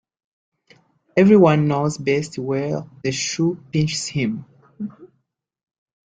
Every one knows best where the shoe pinches him.